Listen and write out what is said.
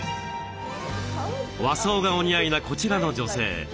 和装がお似合いなこちらの女性。